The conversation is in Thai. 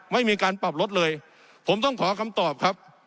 ไม่มีการปรับลดเลยผมต้องขอคำตอบครับ